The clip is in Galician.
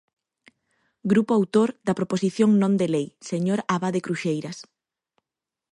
Grupo autor da proposición non de lei, señor Abade Cruxeiras.